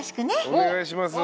お願いします。